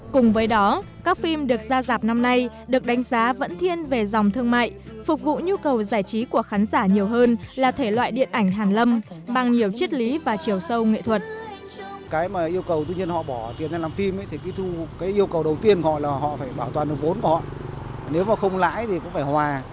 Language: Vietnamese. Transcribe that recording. cùng với đó các phim được ra giạp năm nay được đánh giá vẫn thiên về phần nào thị trường điện ảnh việt trong năm hai nghìn một mươi bảy vừa qua